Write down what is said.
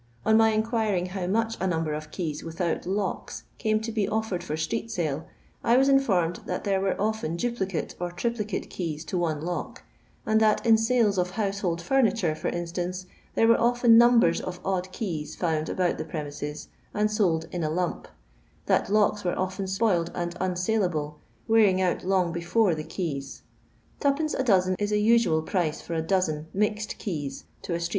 On my inquiring how such ler of keys without locks came to be of or street sale, I was informed that there iiUL duplicate or triplicate keys, to one lock, It in ides of household furniture, for in tbore were often numbers of odd keys iboBt the premises and sold '' in a lump ;" Ids were onen spoiled and unsaleable, wear Isng before the keys. Twopence a doien is al fbee for a dozen "mixed keys," to a mffs.